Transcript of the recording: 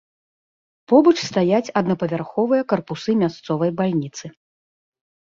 Побач стаяць аднапавярховыя карпусы мясцовай бальніцы.